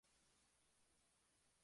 Memorias del exilio de Cuba".